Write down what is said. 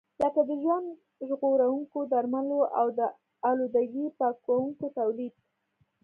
لکه د ژوند ژغورونکو درملو او د آلودګۍ پاکونکو تولید.